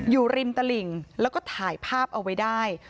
อยู่ริมตลิ่งแล้วก็ถ่ายภาพเอาไว้ได้